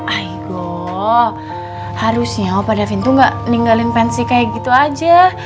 aigoo harusnya opa davin tuh gak ninggalin pensi kayak gitu aja